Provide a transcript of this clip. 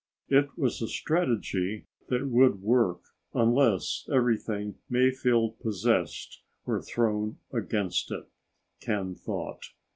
It was a strategy that would work, unless everything Mayfield possessed were thrown against it, Ken thought.